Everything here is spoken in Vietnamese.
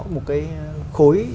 một cái khối